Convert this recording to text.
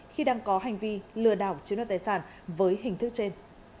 khi đang có hành vi lừa đảo chiếm đoạt tài sản với hình thức trên